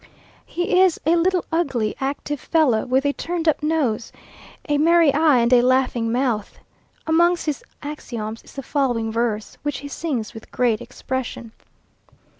He is a little ugly, active fellow, with a turned up nose, a merry eye, and a laughing mouth. Amongst his axioms is the following verse, which he sings with great expression.